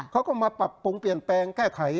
เขาก็มาปรับปรุงเปลี่ยนแปลงแก้ไข